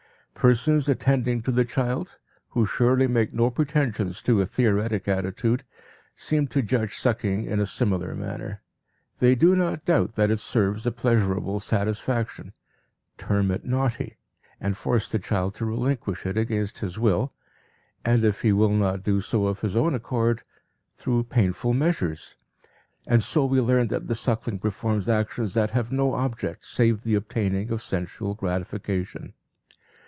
Persons attending to the child, who surely make no pretensions to a theoretic attitude, seem to judge sucking in a similar manner. They do not doubt that it serves a pleasurable satisfaction, term it naughty, and force the child to relinquish it against his will, and if he will not do so of his own accord, through painful measures. And so we learn that the suckling performs actions that have no object save the obtaining of a sensual gratification.